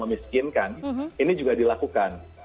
dimiskinkan ini juga dilakukan